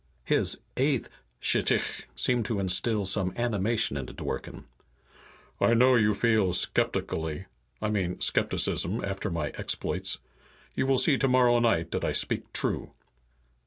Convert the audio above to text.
His eighth shchikh seemed to instill some animation into Dworken. "I know you feel skepticality I mean skepticism after my exploits. You will see tomorrow night dat I speak true."